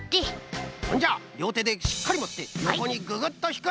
ほんじゃりょうてでしっかりもってよこにググッとひく！